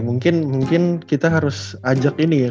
mungkin kita harus ajak ini ya